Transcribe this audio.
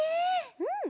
うん！